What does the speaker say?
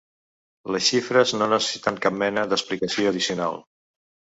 Les xifres no necessiten cap mena d’explicació addicional.